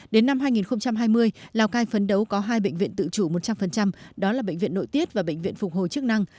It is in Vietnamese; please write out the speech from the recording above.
đến năm hai nghìn hai mươi lào cai phấn đấu có hai bệnh viện tự chủ một trăm linh đó là bệnh viện nội tiết và bệnh viện phục hồi chức năng